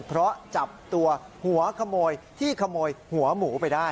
เพราะจับตัวหัวขโมยที่ขโมยหัวหมูไปได้